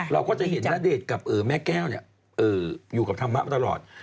เราก็จะเห็นณเดชน์กับแม่แก้วอยู่กับธรรมะมาตลอด